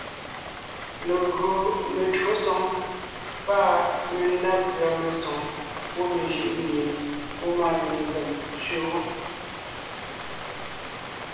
Legÿo metÿǒsoŋ pâ mendá pʉ̀a mesoŋ gwɔ̂ mejʉʼ mie ngwɔ́ maanyìŋ ntsèm tsẅe wó;